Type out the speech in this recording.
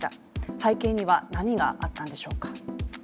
背景には何があったのでしょうか。